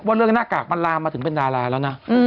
เรื่องหน้ากากมันลามมาถึงเป็นดาราแล้วนะ